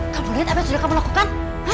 kamu lihat apa yang sudah kamu lakukan